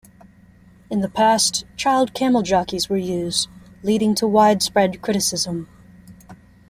In the past, child camel jockeys were used, leading to widespread criticism.